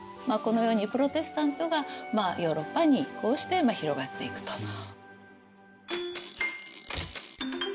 このようにプロテスタントがヨーロッパにこうして広がっていくと。